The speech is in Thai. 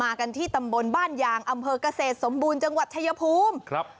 กันที่ตำบลบ้านยางอำเภอกเกษตรสมบูรณ์จังหวัดชายภูมิครับ